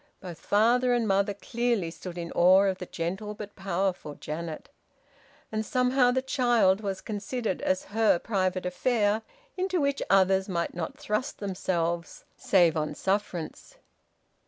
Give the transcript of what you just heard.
Both father and mother clearly stood in awe of the gentle but powerful Janet. And somehow the child was considered as her private affair, into which others might not thrust themselves save on sufferance.